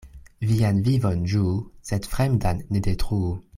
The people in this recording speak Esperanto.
Vian vivon ĝuu, sed fremdan ne detruu.